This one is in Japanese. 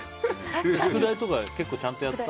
宿題とかちゃんとやった？